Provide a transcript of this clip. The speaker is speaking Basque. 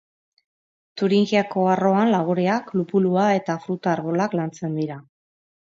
Turingiako arroan laboreak, lupulua eta fruta-arbolak lantzen dira.